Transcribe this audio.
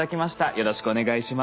よろしくお願いします。